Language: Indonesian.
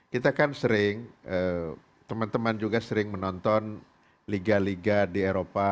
kita kan sering teman teman juga sering menonton liga liga di eropa